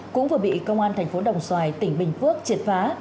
cũng vừa bị công an tp đồng xoài tỉnh bình phước triệt phá